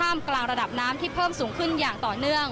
มกลางระดับน้ำที่เพิ่มสูงขึ้นอย่างต่อเนื่อง